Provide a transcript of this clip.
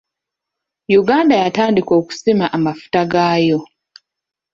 Uganda yatandika okusima amafuta gaayo.